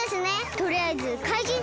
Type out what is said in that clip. とりあえずかいじん